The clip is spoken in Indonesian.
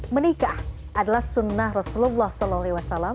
menikah adalah sunnah rasulullah saw